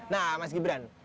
nah mas gibran